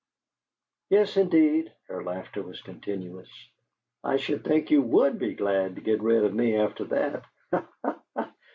"Yes, indeed." Her laughter was continuous. "I should think you WOULD be glad to get rid of me after that.